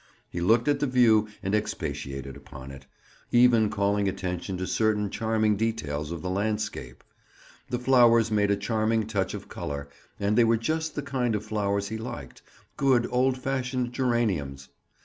He looked at the view and expatiated upon it, even calling attention to certain charming details of the landscape. The flowers made a charming touch of color and they were just the kind of flowers he liked—good, old fashioned geraniums!